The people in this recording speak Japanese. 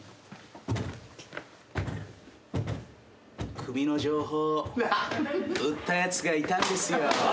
「首の情報売ったやつがいたんですよ」